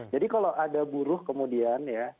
jadi kalau ada buruh kemudian ya